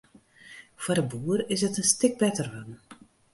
Foar de boer is it in stik better wurden.